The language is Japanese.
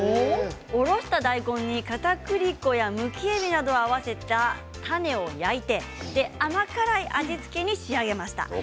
おろした大根にかたくり粉やむきえびなどを合わせたタネを焼いて甘辛い味付けに仕上げました。